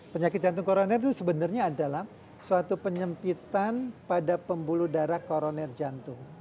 penyakit jantung koroner itu sebenarnya adalah suatu penyempitan pada pembuluh darah koroner jantung